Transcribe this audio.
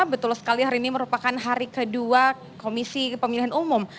betul sekali hari ini merupakan hari kedua komisi pemilihan umum